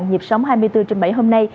nhịp sống hai mươi bốn trên bảy hôm nay